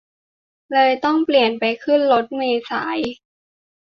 เลยต้องเปลี่ยนไปขึ้นรถเมล์สาย